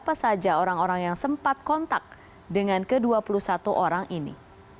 apa saja orang orang yang sempat kontak dengan ke dua puluh satu orang ini